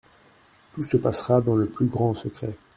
Tout se passera dans le plus grand secret.